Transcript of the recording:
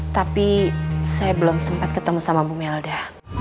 tapi saya belum sempat ketemu sama bu melda